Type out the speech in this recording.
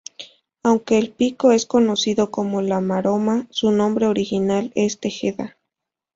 Aunque el pico es conocido como La Maroma, su nombre original es Tejeda.